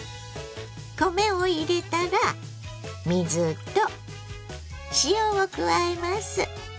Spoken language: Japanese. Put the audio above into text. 米を入れたら水と塩を加えます。